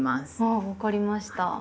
あ分かりました。